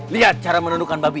lihat cara menundukkan babi